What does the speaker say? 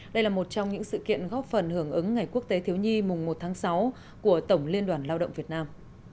đây là một trong những sự kiện góp phần hưởng ứng ngày quốc tế thiếu nhi mùng một tháng sáu của tổng liên đoàn lao động việt nam